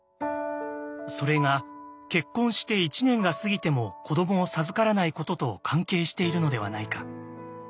それが結婚して１年が過ぎても子どもを授からないことと関係しているのではないか？